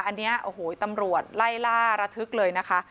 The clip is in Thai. อันนี้โอ้โหตำรวจไล่ล่าระทึกเลยนะคะ